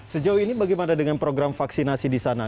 sejauh ini bagaimana dengan program vaksinasi di sana